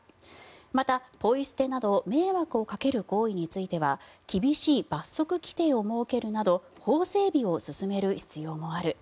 また、ポイ捨てなど迷惑をかける行為については厳しい罰則規定を設けるなど法整備を進める必要もある。